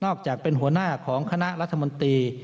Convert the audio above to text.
ออกจากเป็นหัวหน้าของคณะรัฐมนตรี